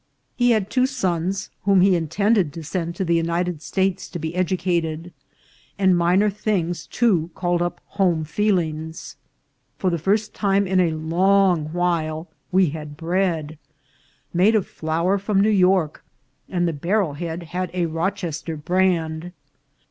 He had two sons, whom he intended to send to the United States to be educated ; and minor things, too, called up home feel ings. For the first time in a long while we had bread, made of flour from New York, and the barrel head had a Rochester brand.